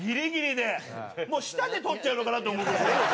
もう舌で捕っちゃうのかなと思うぐらいね。